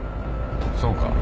そうか。